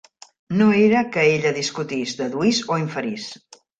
No era que ella discutís, deduís o inferís.